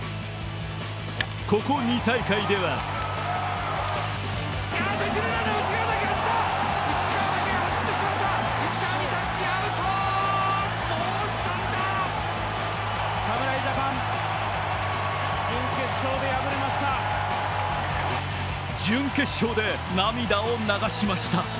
ここ２大会では準決勝で涙を流しました。